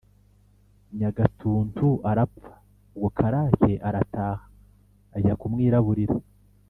nyagatuntu arapfa. ubwo karake arataha ajya kumwiraburira